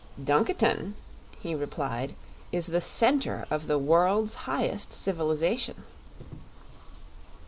"Dunkiton," he replied, "is the center of the world's highest civilization."